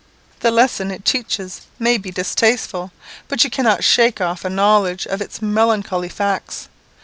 The lesson it teaches may be distasteful, but you cannot shake off a knowledge of its melancholy facts.